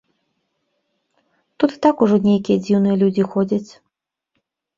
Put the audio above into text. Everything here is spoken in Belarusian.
Тут і так ужо нейкія дзіўныя людзі ходзяць.